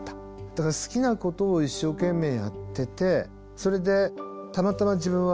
だから好きなことを一生懸命やっててそれでたまたま自分は作曲家になれた。